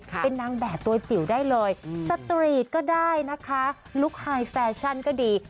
เป็นนางแบบตัวจิ๋วได้เลยสตรีทก็ได้นะคะลุคไฮแฟชั่นก็ดี